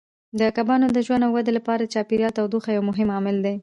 د کبانو د ژوند او ودې لپاره د چاپیریال تودوخه یو مهم عامل دی.